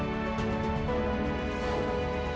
mereka juga menangani penyakit covid sembilan belas di jakarta